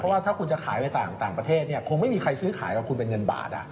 เพราะว่าเอาละทุนทางไปทางไปประเทศคงไม่มีใครซื้อขายของคุณเป็นเงินบาท